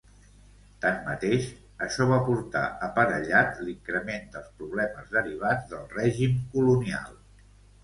Tanmateix, això va portar aparellat l'increment dels problemes derivats del règim colonial.